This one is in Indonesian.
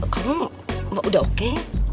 kamu udah oke